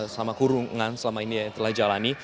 sama kurungan selama ini yang telah jalani